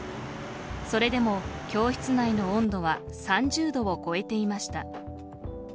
それでも教室内の温度は３０度を超えていました。